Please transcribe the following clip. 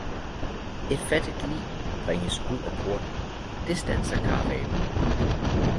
Et fattigt lig bringes ud af porten, det standser karavanen